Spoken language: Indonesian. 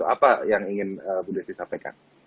apa yang ingin bu desi sampaikan